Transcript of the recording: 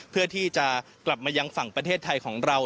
เพื่อที่จะกลับมายังฝั่งประเทศไทยของเรา